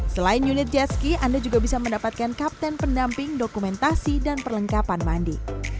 selain unit jetski anda juga bisa mendapatkan kapten pendamping dokumentasi dan perlengkapan mandi